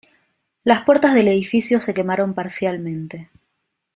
Las puertas del edificio se quemaron parcialmente.